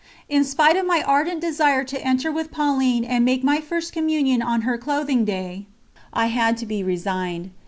In spite of my ardent desire to enter with Pauline and make my First Communion on her clothing day, I had to be resigned.